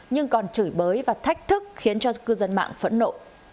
nhưng còn chửi bới và thách thức khiến cho cư dân mạng phẫn nộ